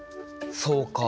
そうか。